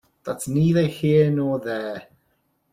That's neither here nor there.